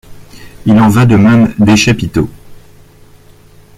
Il en va de même des chapiteaux.